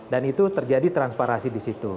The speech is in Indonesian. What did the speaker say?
dan itu terjadi transparasi di situ